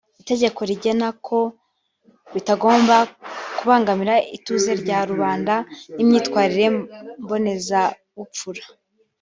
itegeko rigena ko bitagomba kubangamira ituze rya rubanda n’imyitwarire mbonezabupfura